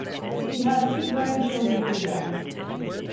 He has two grandchildren through Ben.